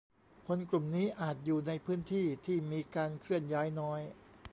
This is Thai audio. - คนกลุ่มนี้อาจอยู่ในพื้นที่ที่มีการเคลื่อนย้ายน้อย